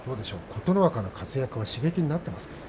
琴ノ若の活躍が刺激になってますか？